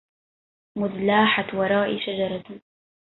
مذ لاحت ورائي شجرهْ